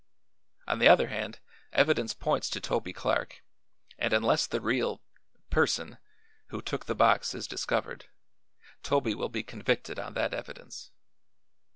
"On the other hand, evidence points to Toby Clark, and unless the real person who took the box is discovered, Toby will be convicted on that evidence.